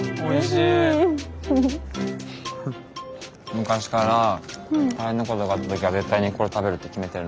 昔から大変なことがあった時は絶対にこれ食べるって決めてる。